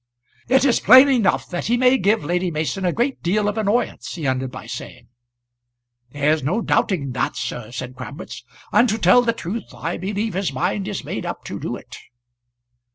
"It is plain enough that he may give Lady Mason a great deal of annoyance," he ended by saying. "There's no doubting that, sir," said Crabwitz. "And, to tell the truth, I believe his mind is made up to do it."